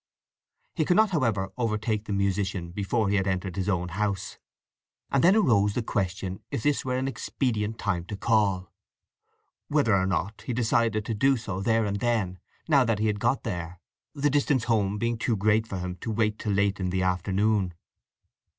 He could not, however, overtake the musician before he had entered his own house, and then arose the question if this were an expedient time to call. Whether or not he decided to do so there and then, now that he had got here, the distance home being too great for him to wait till late in the afternoon.